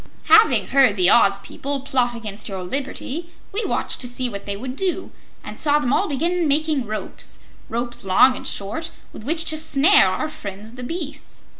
"Having heard the Oz people plot against your liberty, we watched to see what they would do, and saw them all begin making ropes ropes long and short with which to snare our friends the beasts.